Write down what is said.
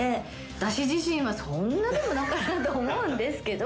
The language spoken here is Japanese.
「私自身はそんなでもなかったと思うんですけど。